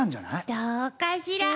どうかしら。